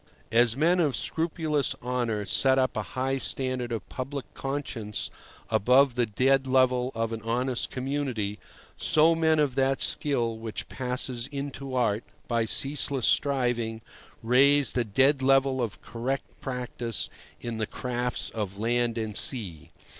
As men of scrupulous honour set up a high standard of public conscience above the dead level of an honest community, so men of that skill which passes into art by ceaseless striving raise the dead level of correct practice in the crafts of land and sea.